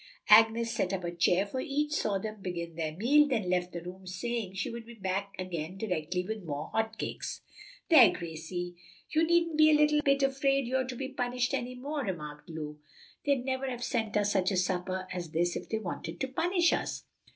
Agnes set up a chair for each, saw them begin their meal, then left the room, saying she would be back again directly with more hot cakes. "There, Gracie, you needn't be the least bit afraid you're to be punished any more," remarked Lulu. "They'd never have sent us such a supper as this if they wanted to punish us."